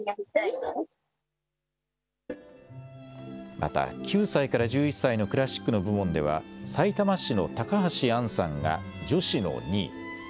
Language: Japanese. また、９歳から１１歳のクラシックの部門では、さいたま市の高橋杏さんが、女子の２位。